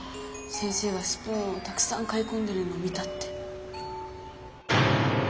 先生がスプーンをたくさん買いこんでるのを見たって。